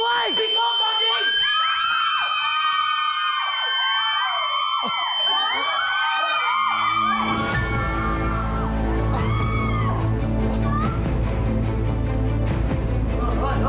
พี่ก้องโดนยิง